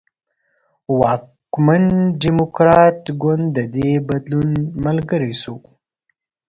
واکمن ډیموکراټ ګوند د دې بدلون ملګری شو.